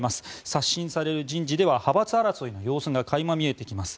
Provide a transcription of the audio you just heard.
刷新される人事では派閥争いの様子が垣間見えてきます。